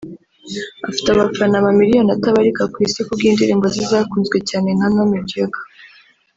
afite abafana amamiliyoni atabarika ku Isi ku bw’indirimbo ze zakunzwe cyane nka ’No Mediocre’